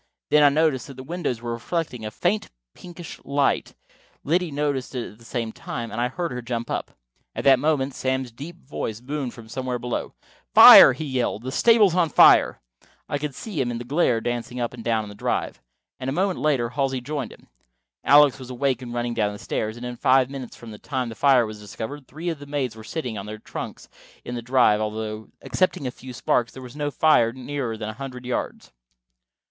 Then I noticed that the windows were reflecting a faint pinkish light, Liddy noticed it at the same time, and I heard her jump up. At that moment Sam's deep voice boomed from somewhere just below. "Fire!" he yelled. "The stable's on fire!" I could see him in the glare dancing up and down on the drive, and a moment later Halsey joined him. Alex was awake and running down the stairs, and in five minutes from the time the fire was discovered, three of the maids were sitting on their trunks in the drive, although, excepting a few sparks, there was no fire nearer than a hundred yards.